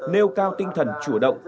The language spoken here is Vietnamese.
nêu cao tinh thần chủ động